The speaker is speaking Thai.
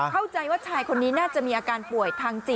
เข้าใจว่าชายคนนี้น่าจะมีอาการป่วยทางจิต